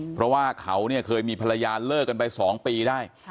เพราะว่าเขาเนี่ยเคยมีภรรยาเลิกกันไป๒ปีได้